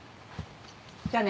じゃあね。